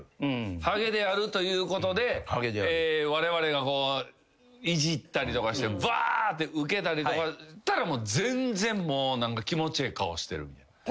ハゲであるということでわれわれがこういじったりとかして「バーッ！」ってウケたりとかしたら全然もう何か気持ちええ顔してるみたいな。